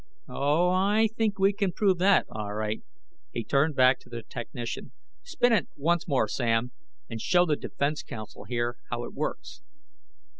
"Oh, I think we can prove that, all right." He turned back to the technician. "Spin it once more, Sam, and show the defense counsel, here, how it works."